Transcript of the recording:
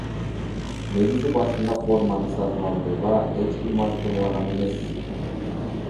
Негизи башында форманы сатып алууга эч ким мажбурлаган эмес.